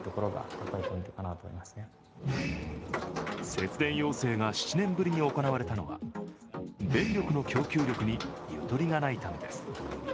節電要請が７年ぶりに行われたのは電力の供給力にゆとりがないためです。